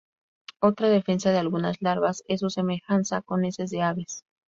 Otra defensa de algunas larvas es su semejanza con heces de aves.